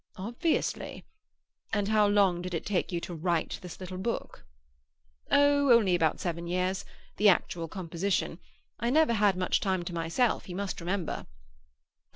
"Obviously. And how long did it take you to write this little book?" "Oh, only about seven years—the actual composition. I never had much time to myself, you must remember."